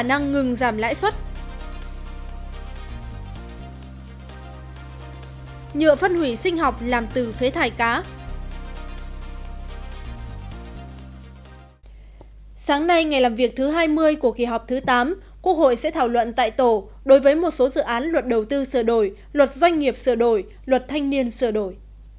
sáng nay ngày làm việc thứ hai mươi của kỳ họp thứ tám quốc hội sẽ thảo luận tại tổ đối với một số dự án luật đầu tư sửa đổi luật doanh nghiệp sửa đổi luật thanh niên sửa đổi